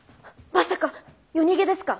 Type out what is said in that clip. まさか夜逃げですか？